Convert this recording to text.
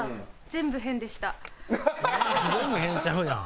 全部変ちゃうやん。